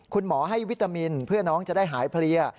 คุณหมอให้วิตามินเพื่อน้องจะได้หายเพลีย